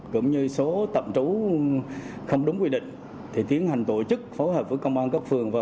cũng như số tạm trú không đúng quy định thì tiến hành tổ chức phối hợp với công an cấp phường và